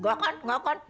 nggak kan nggak kan